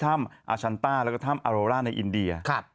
ถ้ามอาชันต้าก็อาโรลาในอินเดีย